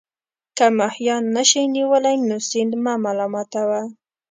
که ماهیان نه شئ نیولای نو سیند مه ملامتوه.